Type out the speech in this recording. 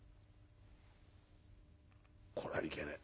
「これはいけねえ。